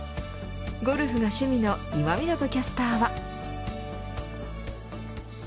ゴルフが趣味の今湊キャスターは。